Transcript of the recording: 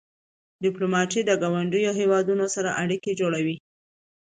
ډيپلومات د ګاونډیو هېوادونو سره اړیکې جوړوي.